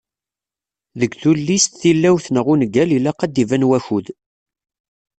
Deg tullist tilawt neɣ ungal ilaq ad iban wakud.